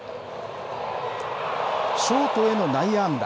ショートへの内野安打。